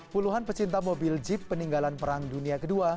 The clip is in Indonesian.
puluhan pecinta mobil jeep peninggalan perang dunia ii